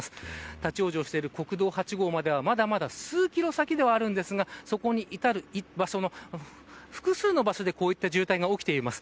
立ち往生している国道８号まではまだまだ数キロ先ではあるんですがそこに至る複数の場所でこういった渋滞が起きています。